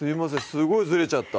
すごいずれちゃった